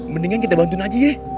mendingan kita bantuin aja ya